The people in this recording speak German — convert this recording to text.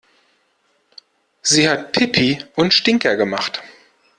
Sie hat Pipi und Stinker gemacht.